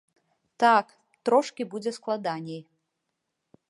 Так, трошкі будзе складаней.